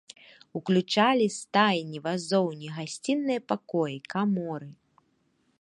Уключалі стайні, вазоўні, гасціныя пакоі, каморы.